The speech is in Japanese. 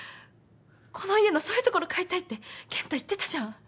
この家のそういうところを変えたいって健太言ってたじゃん。